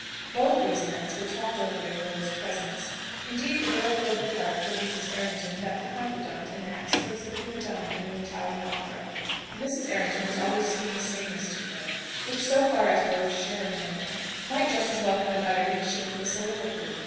Both these events were talked over in Rhoda's presence. Indeed, the girl filled the part towards Mrs. Errington that the confidant enacts towards the prima donna in an Italian opera. Mrs. Errington was always singing scenas to her, which, so far as Rhoda's share in them went, might just as well have been uttered in the shape of a soliloquy.